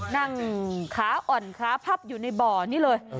นั่งขาอ่อนขาพับอยู่ในบ่อนี้เลย